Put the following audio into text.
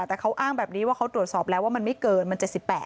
แต่เขาอ้างแบบนี้ว่าเขาตรวจสอบแล้วว่ามันไม่เกินมัน๗๘